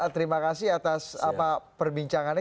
terima kasih atas perbincangannya